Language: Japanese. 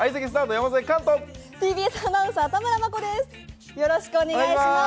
・山添寛とＴＢＳアナウンサー田村真子です。